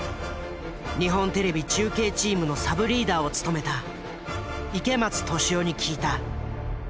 日本テレビ中継チームのサブリーダーを務めた池松俊雄に聞いた。